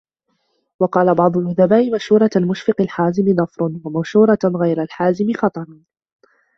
وَقَالَ بَعْضُ الْأُدَبَاءِ مَشُورَةُ الْمُشْفِقِ الْحَازِمِ ظَفَرٌ ، وَمَشُورَةُ غَيْرِ الْحَازِمِ خَطَرٌ